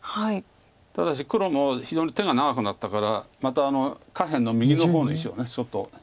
ただし黒も非常に手が長くなったからまた下辺の右の方の石を相当。